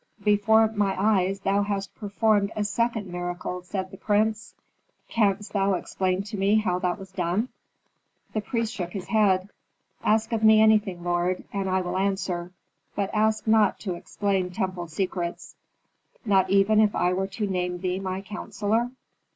"Before my eyes thou hast performed a second miracle," said the prince. "Canst thou explain to me how that was done?" The priest shook his head. "Ask of me anything, lord, and I will answer. But ask not to explain temple secrets." "Not even if I were to name thee my counsellor?"